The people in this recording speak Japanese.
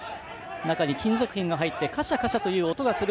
中に金属片が入ってカシャカシャという音がする